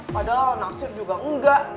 padahal nasir juga enggak